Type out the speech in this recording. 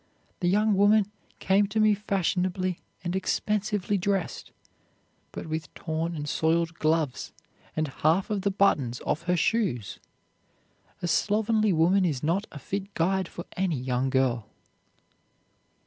The young woman came to me fashionably and expensively dressed, but with torn and soiled gloves, and half of the buttons off her shoes. A slovenly woman is not a fit guide for any young girl."